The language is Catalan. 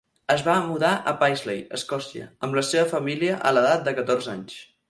Es va mudar a Paisley, Escòcia, amb la seva família a l'edat de catorze anys.